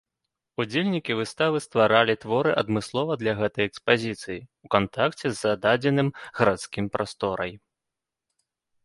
Удзельнікі выставы стваралі творы адмыслова для гэтай экспазіцыі, у кантакце з зададзеным гарадскім прасторай.